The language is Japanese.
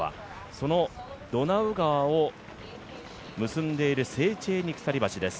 そのドナウ川を結んでいるセーチェーニ鎖橋です。